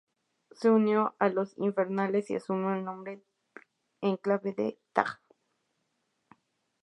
Se unió a Los Infernales y asumió el nombre en clave de "Tag".